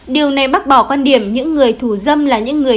điều này bác bỏ quan điểm những người thủ dâm là những người